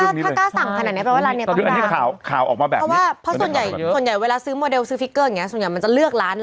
ส่วนใหญ่เวลาสืมอเดลซื้อฟิกเกอร์ส่วนใหญ่มันจะเลือกร้านซ์